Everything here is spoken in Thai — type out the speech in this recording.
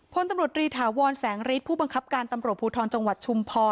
พลตำรวจรีถาวรแสงฤทธิ์ผู้บังคับการตำรวจภูทรจังหวัดชุมพร